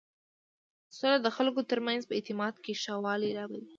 سوله د خلکو تر منځ په اعتماد کې ښه والی راولي.